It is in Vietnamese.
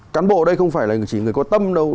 cán bộ đây không phải là chỉ người có tâm đâu